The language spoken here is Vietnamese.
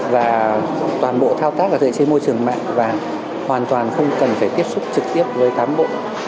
và toàn bộ thao tác là thể trên môi trường mạng và hoàn toàn không cần phải tiếp xúc trực tiếp với cám bộ